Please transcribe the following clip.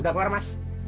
udah keluar mas